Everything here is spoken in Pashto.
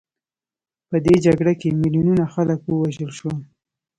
په دې جګړه کې میلیونونو خلک ووژل شول.